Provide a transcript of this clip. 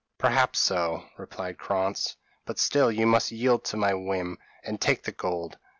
p> "Perhaps so," replied Krantz; "but still you must yield to my whim, and take the gold.